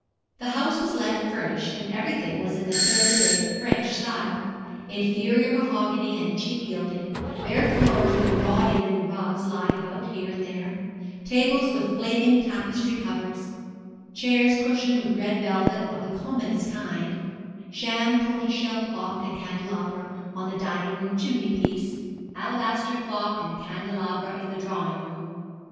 The house was let furnished, and everything was in the third rate French style inferior mahogany and cheap gilding, bare floors with gaudy little rugs lying about here and there, tables with flaming tapestry covers, chairs cushioned with red velvet of the commonest kind, sham tortoiseshell clock and candelabra on the dining room chimney piece, alabaster clock and candelabra in the drawing room.